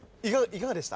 いかがでした？